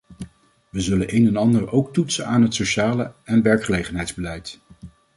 We zullen een en ander ook toetsen aan het sociale en werkgelegenheidsbeleid.